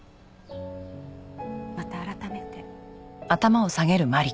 また改めて。